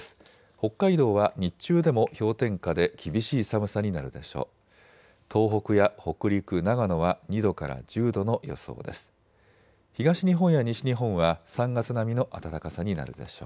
北海道は日中でも氷点下で厳しい寒さになるでしょう。